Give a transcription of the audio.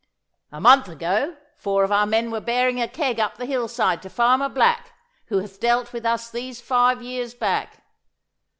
A month ago, four of our men were bearing a keg up the hillside to Farmer Black, who hath dealt with us these five years back.